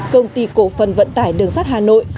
công ty cổ phần vận tải đường sắt hà nội